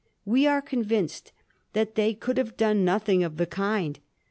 We are convinced that they could have done nothing of the kind.